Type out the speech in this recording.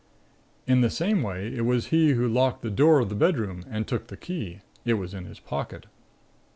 "In the same way, it was he who locked the door of the bedroom and took the key (it was in his pocket).